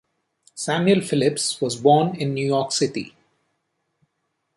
Samuel Phillips was born in New York City.